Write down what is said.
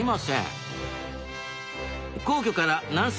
皇居から南西